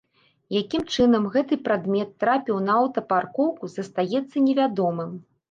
Якім чынам гэты прадмет трапіў на аўтапаркоўку застаецца невядомым.